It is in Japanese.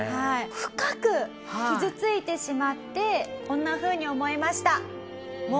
深く傷ついてしまってこんなふうに思いました。